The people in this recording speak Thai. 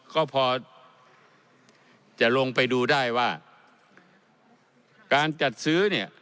ก็พอจะลงไปดูได้ว่าการจัดซื้อเนี่ย